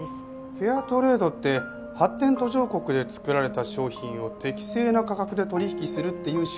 フェアトレードって発展途上国で作られた商品を適正な価格で取引するっていう仕組みですよね？